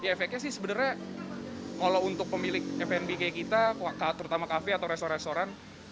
efeknya sih sebenarnya kalau untuk pemilik fnb kayak kita terutama kafe atau restoran restoran